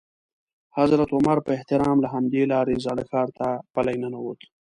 حضرت عمر په احترام له همدې لارې زاړه ښار ته پلی ننوت.